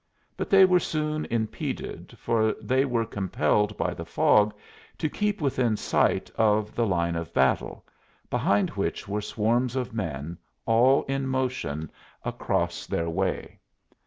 But they were soon impeded, for they were compelled by the fog to keep within sight of the line of battle, behind which were swarms of men, all in motion across their way.